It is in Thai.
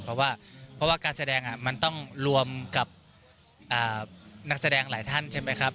เพราะว่าเพราะว่าการแสดงมันต้องรวมกับนักแสดงหลายท่านใช่ไหมครับ